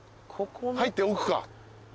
入って奥か。